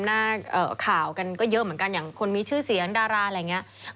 หน้าข่าวกันก็เยอะเหมือนกันอย่างคนมีชื่อเสียงดาราอะไรอย่างนี้